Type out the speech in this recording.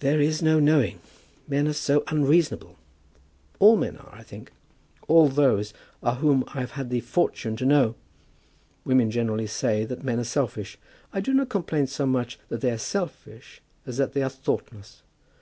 "There is no knowing. Men are so unreasonable. All men are, I think. All those are whom I have had the fortune to know. Women generally say that men are selfish. I do not complain so much that they are selfish as that they are thoughtless.